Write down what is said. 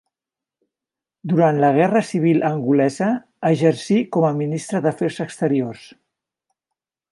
Durant la Guerra Civil angolesa exercí com a ministre d'afers exteriors.